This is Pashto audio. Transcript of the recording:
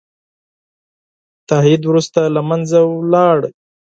تهدید وروسته له منځه ولاړ.